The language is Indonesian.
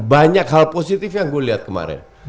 banyak hal positif yang gue lihat kemarin